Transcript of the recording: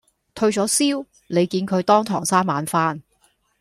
退左燒，你見佢當堂生猛返